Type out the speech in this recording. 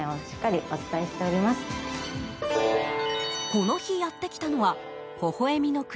この日やってきたのはほほ笑みの国